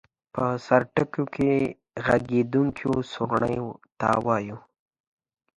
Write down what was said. په سرټکیو کې غږېدونکیو سورڼیو ته وایو.